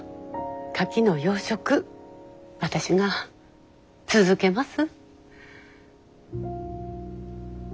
カキの養殖私が続けます。